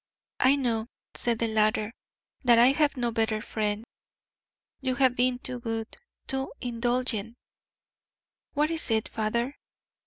"I know," said the latter, "that I have no better friend. You have been too good, too indulgent. What is it, father?